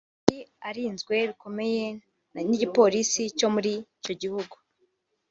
yari arinzwe bikomeye n'igipolisi cyo muri icyo gihugu